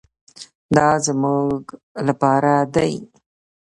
دا زموږ لپاره دي.